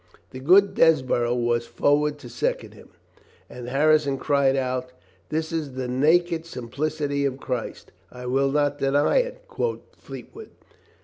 The good Desborough was forward to second him, and Harrison cried out: "This is the naked sim plicity of Christ," "I will not deny it," quoth Fleetwood.